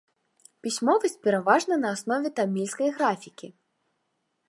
Пісьмовасць пераважна на аснове тамільскай графікі.